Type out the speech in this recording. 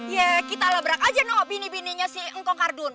ya kita labrak saja bini bininya si ngkong kardun